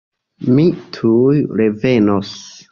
Mi tuj revenos.